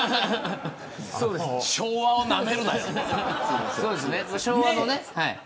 昭和をなめるなよ。